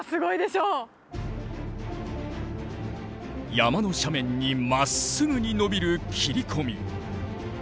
山の斜面にまっすぐに伸びる切り込み。